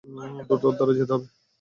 দ্রুত উদ্ধারে যেতে হবে।